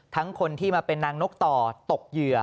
คนที่มาเป็นนางนกต่อตกเหยื่อ